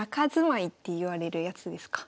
っていわれるやつですか。